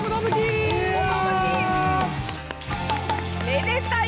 めでたい！